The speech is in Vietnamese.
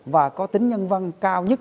và có tính nhân văn cao nhất